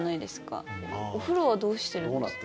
お風呂はどうしてるんですか？